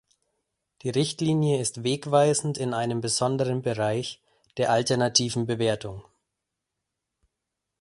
Die Richtlinie ist wegweisend in einem besonderen Bereich, der alternativen Bewertung.